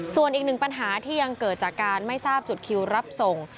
ส่วนอีกหนึ่งปัญหาที่ยังเกิดจากการไม่ทราบจุดคิวรับส่ง